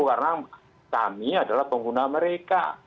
karena kami adalah pengguna mereka